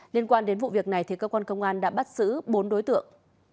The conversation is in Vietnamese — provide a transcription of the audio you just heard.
liên quan đến vụ việc này cơ quan công an đã bắt giữ bốn đối tượng